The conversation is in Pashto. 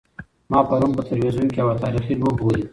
ما پرون په تلویزیون کې یوه تاریخي لوبه ولیده.